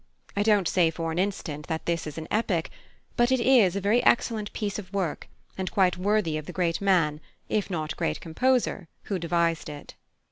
I don't say for an instant that this is an epic, but it is a very excellent piece of work and quite worthy of the great man, if not great composer, who devised it.